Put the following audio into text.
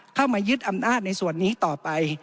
เข้ามายึดอำนาจในส่วนนี้ต่อไป